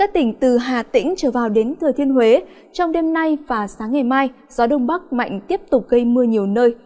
từ vào đến thừa thiên huế trong đêm nay và sáng ngày mai gió đông bắc mạnh tiếp tục gây mưa nhiều nơi